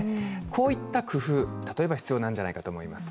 こういった工夫が例えば必要なんじゃないかと思います。